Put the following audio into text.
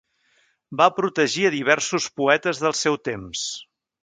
Va protegir a diversos poetes del seu temps.